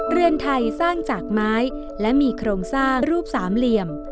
เรือนไทยสร้างจากไม้และมีโครงสร้างรูปสามเหลี่ยม